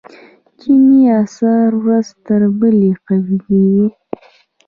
چیني اسعار ورځ تر بلې قوي کیږي.